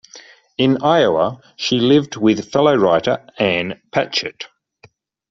In Iowa she lived with fellow writer Ann Patchett.